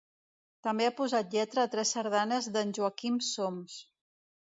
També ha posat lletra a tres sardanes d'en Joaquim Soms.